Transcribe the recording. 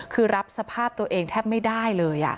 คือรับสภาพตัวเองแทบไม่ได้เลย